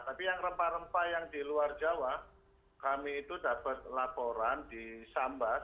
tapi yang rempah rempah yang di luar jawa kami itu dapat laporan di sambas